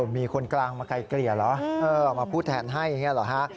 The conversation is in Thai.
มีคนกลางมาไกลเกลี่ยเหรอมาพูดแทนให้อย่างนี้เหรอฮะ